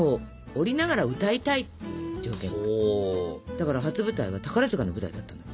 だから初舞台は宝塚の舞台だったのよ。